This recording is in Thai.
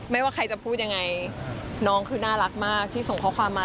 ว่าใครจะพูดยังไงน้องคือน่ารักมากที่ส่งข้อความมา